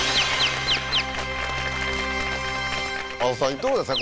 いかがですか？